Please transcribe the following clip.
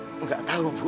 dia tengah kabur